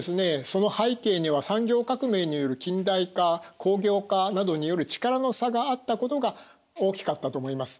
その背景には産業革命による近代化工業化などによる力の差があったことが大きかったと思います。